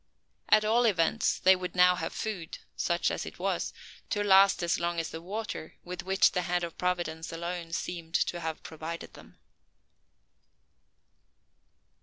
At all events, they would now have food such as it was to last as long as the water with which the hand of Providence alone seemed to have provided them.